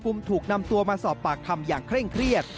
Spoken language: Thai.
ถูกนำตัวมาสอบปากคำอย่างเคร่งเครียด